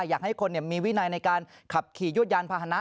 อยากให้คนมีวินัยในการขับขี่ยวดยานพาหนะ